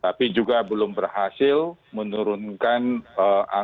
tapi juga belum berhasil menurunkan angka